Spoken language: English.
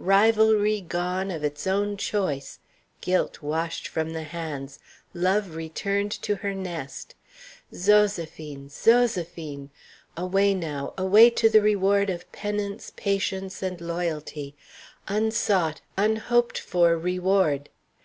rivalry gone of its own choice, guilt washed from the hands, love returned to her nest. Zoséphine! Zoséphine! Away now, away to the reward of penance, patience, and loyalty! Unsought, unhoped for reward!